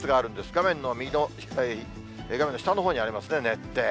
画面の右の、画面の下のほうにありますね、熱低。